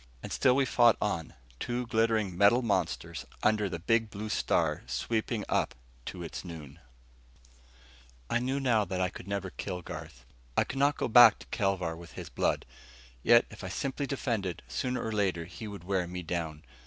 And still we fought on, two glittering metal monsters under the big blue star sweeping up to its noon. I knew now that I could never kill Garth. I could not go back to Kelvar with his blood. Yet if I simply defended, sooner or later he would wear me down.